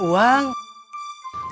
uangnya di kekurangan